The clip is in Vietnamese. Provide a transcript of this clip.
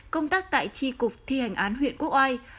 công tác tại tri cục thi hành án huyện quốc oai